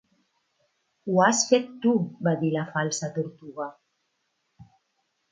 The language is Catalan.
"Ho has fet tu", va dir la Falsa Tortuga.